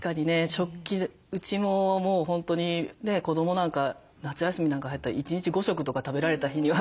食器うちももう本当にね子どもなんか夏休みなんか入ったら１日５食とか食べられた日には。